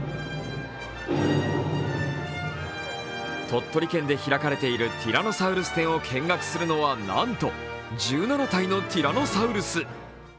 鳥取県で開かれているティラノサウルス展を見学するのはなんと１７体のティラノサウルス。